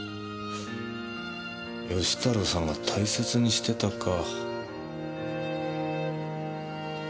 義太郎さんが大切にしてたか。